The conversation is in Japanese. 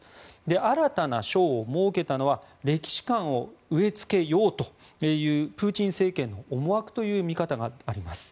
新たな章を設けたのは歴史観を植え付けようというプーチン政権の思惑という見方があります。